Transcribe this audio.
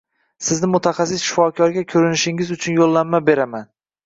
Sizni mutaxassis shifokorga ko'rinishingiz uchun yo'llanma beraman.